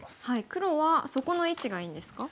黒はそこの位置がいいんですか？